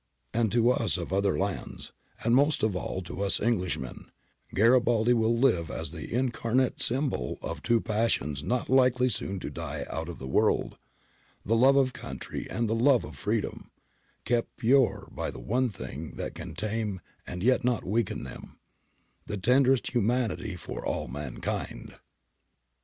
And to us of other lands, and most of all to us Englishmen, Garibaldi will live as the incarnate symbol of two passions not likely soon to die out of the world, the love of country and the love of freedom, kept pure by the one thing that can tame and yet not weaken them, the tenderest humanity for all mankind.